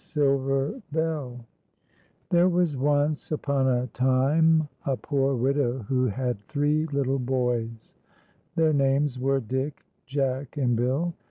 '' iT' "8 f'LRE was once upon a time a poor widow who liad tiircc little boys. Their names were Dick, Jack, and Bill.